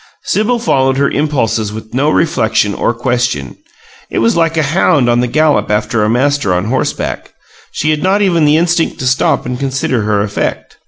Sibyl followed her impulses with no reflection or question it was like a hound on the gallop after a master on horseback. She had not even the instinct to stop and consider her effect.